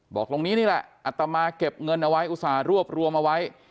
บอกตรงนี้นี่แหละอัตมาเก็บเงินเอาไว้อุตส่าห์รวบรวมเอาไว้